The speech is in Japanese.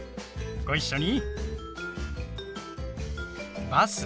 ご一緒に。